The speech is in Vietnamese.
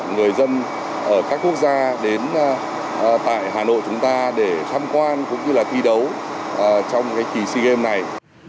người dân ở các quốc gia đến tại hà nội chúng ta để tham quan cũng như là thi đấu trong kỳ sea games này